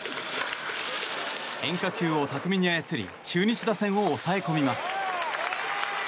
変化球を巧みに操り中日打線を抑え込みます。